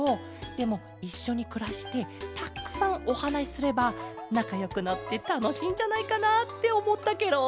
でもいっしょにくらしてたっくさんおはなしすればなかよくなってたのしいんじゃないかなっておもったケロ。